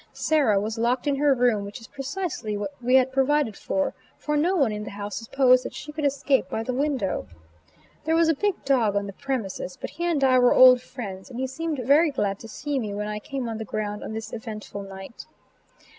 Sarah was locked in her room, which is precisely what we had provided for, for no one in the house supposed that she could escape by the window. There was a big dog on the premises, but he and I were old friends, and he seemed very glad to see me when I came on the ground on this eventful night.